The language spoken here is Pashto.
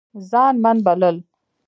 ځان من بلل